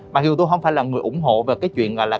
mà khi mà tôi không phải là người ủng hộ về cái chuyện gọi là